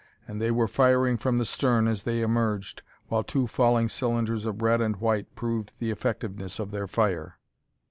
And they were firing from the stern as they emerged, while two falling cylinders of red and white proved the effectiveness of their fire.